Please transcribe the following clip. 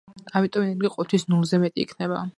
ამიტომ ენერგია ყოველთვის ნულზე მეტი იქნება.